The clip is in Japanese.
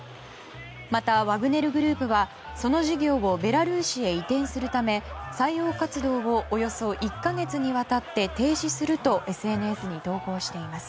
またワグネルグループはその事業をベラルーシへ移転するため採用活動をおよそ１か月にわたって停止するとＳＮＳに投稿しています。